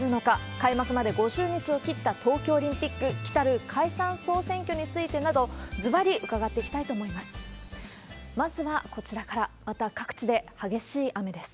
開幕まで５０日を切った東京オリンピック、きたる解散・総選挙についてなど、ずばり伺っていきたいと思います。